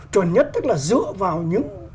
chuẩn nhất tức là dựa vào những